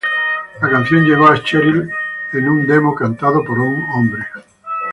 La canción llegó a Cheryl en un "demo" cantado por un hombre.